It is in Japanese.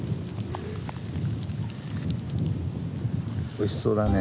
おいしそうだね。